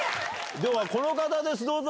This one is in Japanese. この方ですどうぞ。